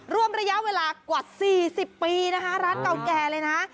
รวมระยะเวลากว่า๔๐ปีนะคะร้านเก่าแก่เลยนะ